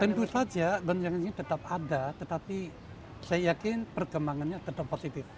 tentu saja gonjang ini tetap ada tetapi saya yakin perkembangannya tetap positif